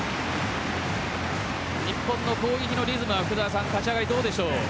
日本の攻撃のリズムは立ち上がり、どうですか？